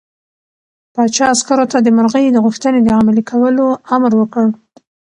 پاچا عسکرو ته د مرغۍ د غوښتنې د عملي کولو امر وکړ.